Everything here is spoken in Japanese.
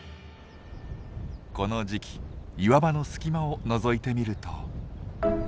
この時期岩場の隙間をのぞいてみると。